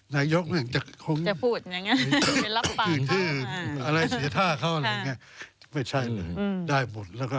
นายกอย่างนั้นจะคงอื่นที่อื่นอะไรเสียท่าเขาอะไรอย่างนี้ไม่ใช่เลยได้หมดแล้วก็